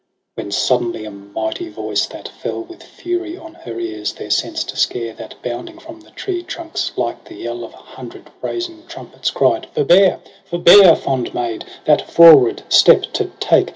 II When suddenly a mighty voice, that fell With fury on her ears, their sense to scare. That bounding from the tree trunks like the yell Of hundred brazen trumpets, cried ' Forbear ! Forbear, fond maid, that froward step to take.